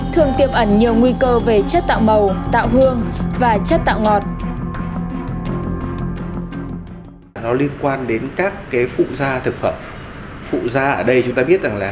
thường tiêm ẩn nhiều nguy cơ về chất tạo màu tạo hương và chất tạo ngọt